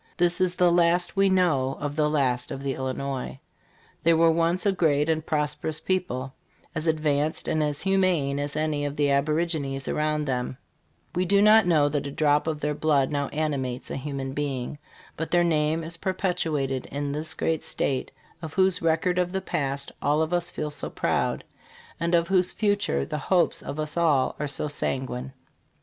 This is the last we know of the last of the Illinois. They were once a great and pros perous people, as advanced and as humane as any of the aborigines around them; we do not know that a drop of their blood now animates a human being, but their name is perpetuated in this great state, of whose record of the past all of us feel so proud, and of whose future the hopes of us all are so sanguine.